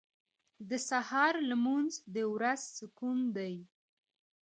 • د سهار لمونځ د روح سکون دی.